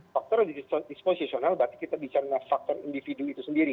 faktor disposisional berarti kita bicara faktor individu itu sendiri